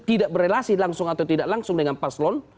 tidak berrelasi langsung atau tidak langsung dengan paslon